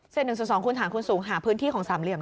เศษ๑ส่วน๒คูณฐานคูณสูงหาพื้นที่ของสามเหลี่ยม